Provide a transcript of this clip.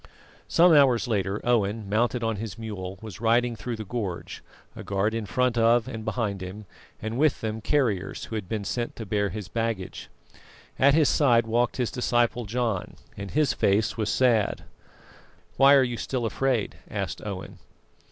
Some hours later, Owen, mounted on his mule, was riding through the gorge, a guard in front of and behind him, and with them carriers who had been sent to bear his baggage. At his side walked his disciple John, and his face was sad. "Why are you still afraid?" asked Owen.